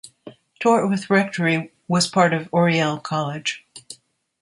Tortworth Rectory, was part of Oriel College.